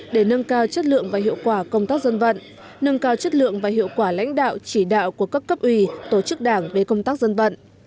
để nâng cao chất lượng và hiệu quả công tác dân vận nâng cao chất lượng và hiệu quả lãnh đạo chỉ đạo của các cấp ủy tổ chức đảng về công tác dân vận